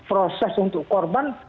proses untuk korban